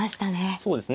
そうですね。